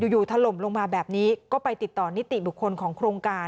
ถล่มลงมาแบบนี้ก็ไปติดต่อนิติบุคคลของโครงการ